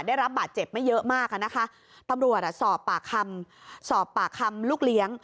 ได้รับบาดเจ็บไม่เยอะมากอ่ะนะคะตำรวจอ่ะสอบปากคำสอบปากคำลูกเลี้ยง